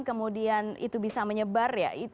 kemudian itu bisa menyebar ya